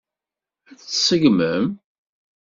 Ad tt-tseggmem?